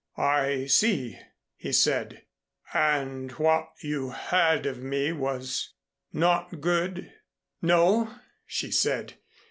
"I see," he said, "and what you heard of me was not good?" "No," she said.